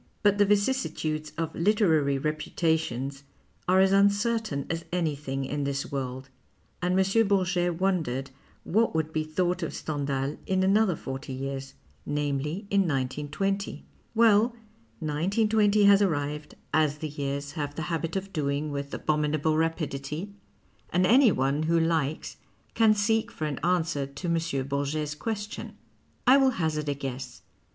But the vicissitudes of literary reputations are as uncertain as anything in this world, and M. Bourget wondered what would be thouglit of Stendhal in another forty years — namely, in 1920. Well, 1920 has arrived, as the years have 247 PASTICHE AND PREJUDICE the habit of doing with abominable rapidity, and any one who likes can seek for an answer to M. Bourget's question. I will hazard a guess.